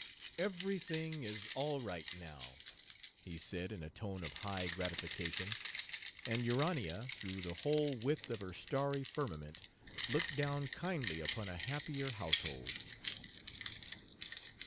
"Everything is all right, now," he said, in a tone of high gratification; and Urania, through the whole width of her starry firmament, looked down kindly upon a happier household.